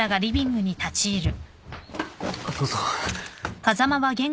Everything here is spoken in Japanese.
どうぞ。